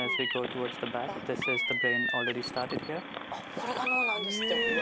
これが脳なんですって。